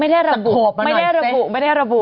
ไม่ได้ระบุไม่ได้ระบุไม่ได้ระบุ